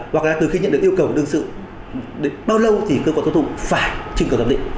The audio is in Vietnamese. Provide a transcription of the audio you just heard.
hoặc là từ khi nhận được yêu cầu đương sự bao lâu thì cơ quan thống tục phải trưng cầu giám định